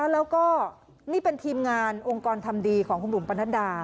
แล้วก็นี่เป็นทีมงานองค์กรทำดีของคุณบุ๋มปนัดดา